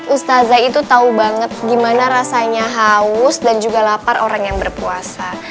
ustazah itu tahu banget gimana rasanya haus dan juga lapar orang yang berpuasa